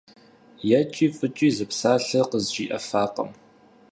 ЕкӀи фӀыкӀи зы псалъэ къызжиӀэфакъым.